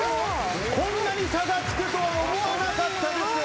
こんなに差がつくとは思わなかったです。